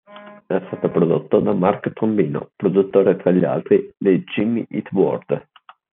È stato prodotto da Mark Trombino, produttore, tra gli altri, dei Jimmy Eat World.